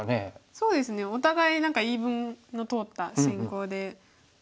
そうですねお互い何か言い分の通った進行で平和な。